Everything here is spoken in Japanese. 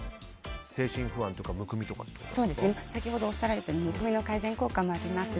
精神不安とか先ほどおっしゃられたむくみの改善効果もあります